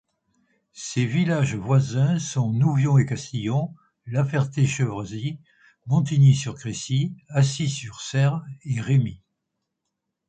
Ses villages voisins sont Nouvion-et-Catillon, La Ferté-Chevresis, Montigny-sur-Crécy, Assis-sur-Serre et Remies.